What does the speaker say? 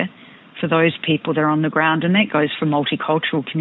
dan itu juga untuk komunitas multikultural